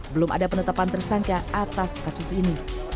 belum ada penetapan tersangka atas kasus ini